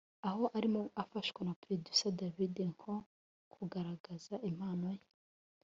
aho arimo afashwa na producer Davydenko kugaragaza impano ye